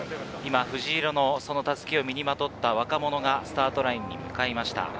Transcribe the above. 今、藤色のその襷を身にまとった若者がスタートラインに向かいました。